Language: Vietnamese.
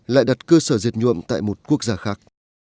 lại đặt cơ sở diệt nhuộm tại một quốc gia khác